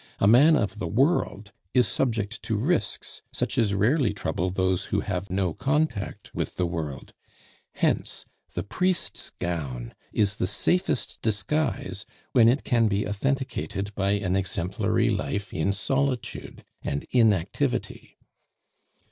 A man of the world is subject to risks such as rarely trouble those who have no contact with the world; hence the priest's gown is the safest disguise when it can be authenticated by an exemplary life in solitude and inactivity.